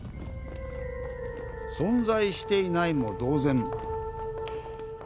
存在していないも同然。